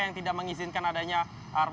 yang tidak mengizinkan adanya